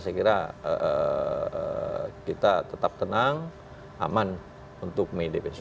saya kira kita tetap tenang aman untuk mediabation